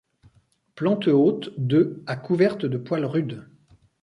Plante haute de à couverte de poils rudes.